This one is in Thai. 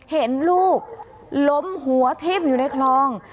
เห็นลูกล้มหัวทิ้มอยู่ในคลอง